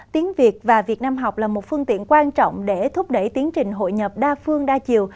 tiếng việt và việt nam học là một phương tiện quan trọng để thúc đẩy tiến trình hội nhập đa phương đa chiều